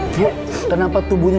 bu kenapa tubuhnya